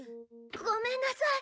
ごめんなさい。